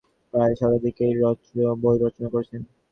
তিনি প্রায় শতাধিক বই রচনা করেছেন।